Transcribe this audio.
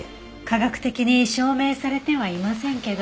科学的に証明されてはいませんけど。